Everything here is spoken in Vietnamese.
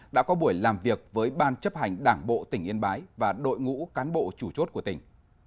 đã có buổi làm việc với ban chấp hành đảng bộ tỉnh yên bái và đội ngũ cán bộ chủ chốt của tỉnh